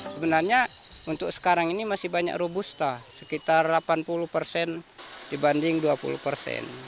sebenarnya untuk sekarang ini masih banyak robusta sekitar delapan puluh persen dibanding dua puluh persen